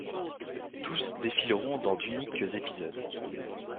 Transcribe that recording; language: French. Tous défileront dans d'uniques épisodes.